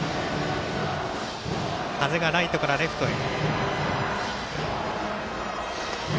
風がライトからレフトへ。